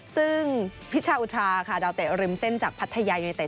ซึ่งพิชาอุทราค่ะดาวเตะริมเส้นจากพัทยายูเนเต็